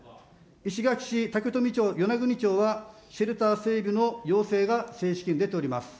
石垣市、竹富町、与那国町はシェルター整備の要請が正式に出ております。